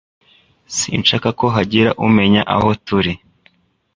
Sinshaka ko hagira umenya aho turi